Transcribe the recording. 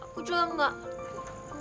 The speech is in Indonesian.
aku juga aku juga gak